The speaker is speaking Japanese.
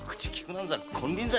なんざ金輪際